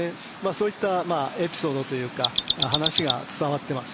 そういったエピソードというか話が伝わってます。